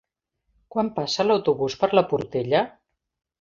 Quan passa l'autobús per la Portella?